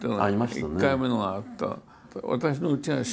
１回目のがあった。